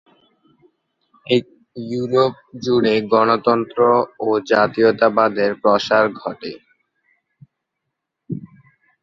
Europe জুড়ে গণতন্ত্র ও জাতীয়তাবাদের প্রসার ঘটে।